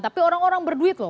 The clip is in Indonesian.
tapi orang orang berduit loh